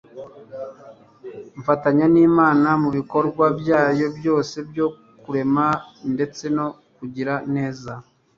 Mfatanya n’Imana mu bikorwa byayo byose byo kurema ndetse no kugira neza.